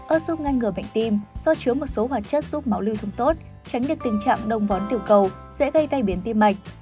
ớt xúc ngăn ngừa bệnh tim do chứa một số hoạt chất giúp máu lưu thông tốt tránh được tình trạng đông vón tiểu cầu sẽ gây tai biến tim mạch